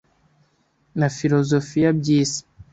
na firozofiya by isi